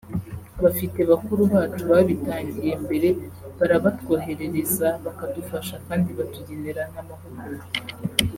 bafite bakuru bacu babitangiye mbere barabatwoherereza bakadufasha kandi batugenera n’amahugurwa